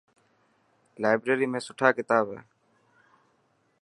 لائبريري ۾ سٺا ڪتاب هي.